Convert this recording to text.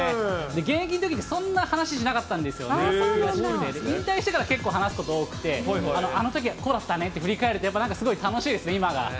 現役のときって、そんな話しなかったんですよね、引退してから結構、話すこと多くて、あのときはこうだったねって振り返ると、すごい楽しいです、今が。